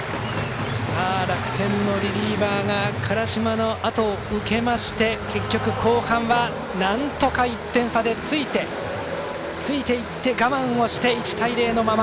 楽天のリリーバーが辛島のあとをうけまして結局、後半はなんとか１点差でついていって我慢をして１対０のまま。